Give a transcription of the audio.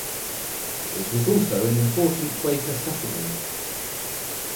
It was also an important Quaker settlement.